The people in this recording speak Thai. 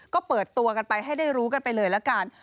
ก็เปิดตัวกันไปให้ได้รู้กันไปเลยละกัน